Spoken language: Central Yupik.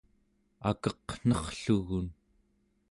akeqnerrlugun